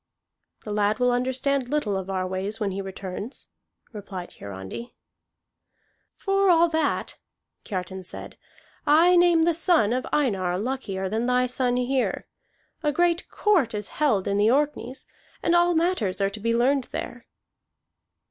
"The lad will understand little of our ways when he returns," replied Hiarandi. "For all that," Kiartan said, "I name the son of Einar luckier than thy son here. A great court is held in the Orkneys, and all matters are to be learned there."